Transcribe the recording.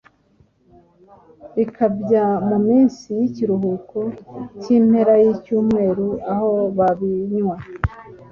Bikabya mu minsi y’ikiruhuko k’impera y’icyumweru aho babinywa